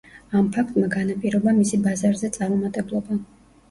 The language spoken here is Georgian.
ამ ფაქტმა განაპირობა მისი ბაზარზე წარუმატებლობა.